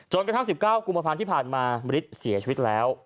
จนกระทั่ง๑๙กุมภัณฑ์ที่ผ่านมาบริษฐ์เสียชีวิตแล้ว